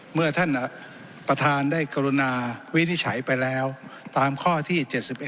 เมื่อท่านประธานได้กรุณาวินิจฉัยไปแล้วตามข้อที่๗๑